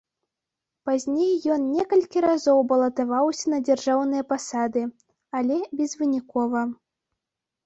Пазней ён некалькі разоў балатаваўся на дзяржаўныя пасады, але безвынікова.